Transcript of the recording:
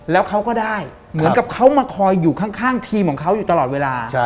แล้วเขาก็ได้เหมือนกับเขามาคอยอยู่ข้างทีมของเขาอยู่ตลอดเวลา